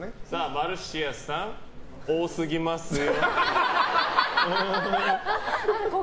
マルシアさん、多すぎますよ。